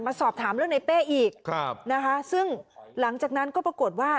มาสอบถามเรื่องในเป้อีกซึ่งหลังจากนั้นก็ปรากฏว่า